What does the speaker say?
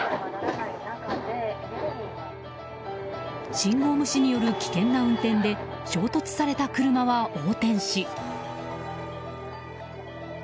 信号無視による危険な運転で衝突された車は横転し。